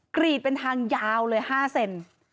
กรีดเป็นทางยาวเลย๕เซน